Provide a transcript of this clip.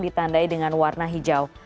ditandai dengan warna hijau